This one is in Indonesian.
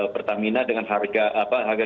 pertamina dengan harga